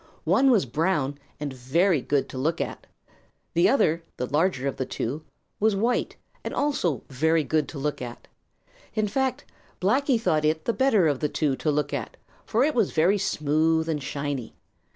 One was brown and very good to look at. The other, the larger of the two, was white and also very good to look at. In fact, Blacky thought it the better of the two to look at, for it was very smooth and shiny.